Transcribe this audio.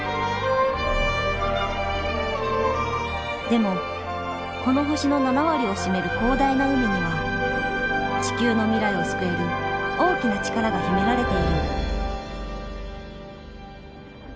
でもこの星の７割を占める広大な海には地球の未来を救える大きな力が秘められている。